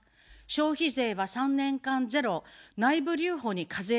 消費税は３年間ゼロ、内部留保に課税をします。